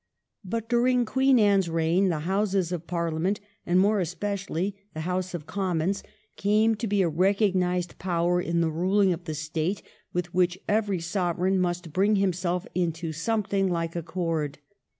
But during Queen Anne's reign the Houses of Parha ment, and more especially the House of Commons, came to be a recognised power in the ruling of the State with which every Sovereign must bring himself into something like accord.